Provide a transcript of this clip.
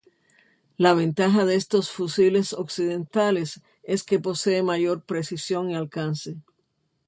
La ventaja de estos fusiles occidentales es que poseen mayor precisión y alcance.